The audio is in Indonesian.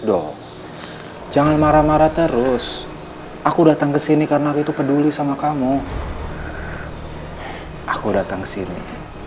dok jangan marah marah terus aku datang ke sini karena aku itu peduli sama kamu aku datang ke sini